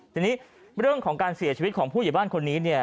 ทีนี้เรื่องของการเสียชีวิตของผู้ใหญ่บ้านคนนี้เนี่ย